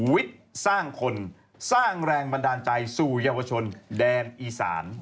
วิทยาศาสตร์สร้างคนสร้างแรงบันดาลใจสู่เยาวชนแดนอีสาน